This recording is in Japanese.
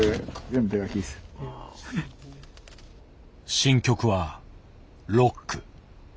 新曲はロック。